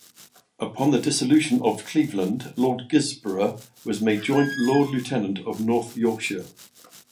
Upon the dissolution of Cleveland, Lord Gisborough was made joint lord-lieutenant of North Yorkshire.